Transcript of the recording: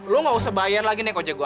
lo gak usah bayar lagi nekoje gue